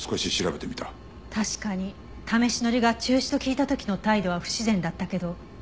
確かに試し乗りが中止と聞いた時の態度は不自然だったけど。